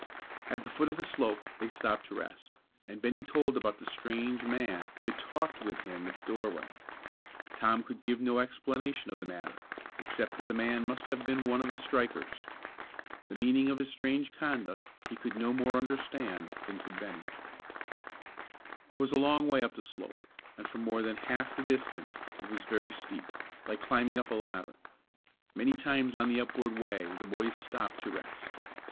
At the foot of the slope they stopped to rest, and Bennie told about the strange man who had talked with him at the doorway. Tom could give no explanation of the matter, except that the man must have been one of the strikers. The meaning of his strange conduct he could no more understand than could Bennie. It was a long way up the slope, and for more than half the distance it was very steep; like climbing up a ladder. Many times on the upward way the boys stopped to rest.